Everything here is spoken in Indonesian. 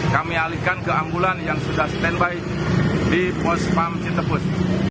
kami alihkan ke ambulan yang sudah standby di pospam cetepus